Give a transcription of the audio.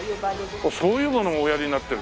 あっそういうものもおやりになってる。